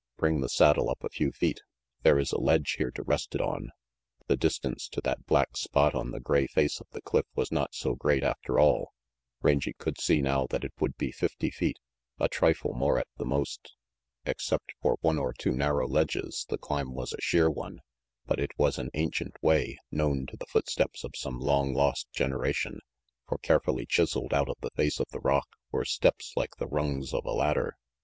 "Bring the saddle up a few feet. There is a ledge here to rest it on." The distance to that black spot on the gray face of the cliff was not so great after all. Rangy could see now that it would be fifty feet, a trifle more at the most. Except for one or two narrow ledges, the climb was a sheer one. But it was an ancient way, known to the footsteps of some long lost generation, for carefully chiseled out of the face of the rock were steps like the rungs of a ladder.